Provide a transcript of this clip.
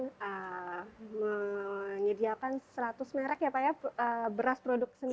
kita menyediakan seratus merek ya pak ya beras produk sendiri